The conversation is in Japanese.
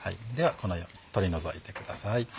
このように取り除いてください。